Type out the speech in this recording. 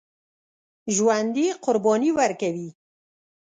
ژوندي قرباني ورکوي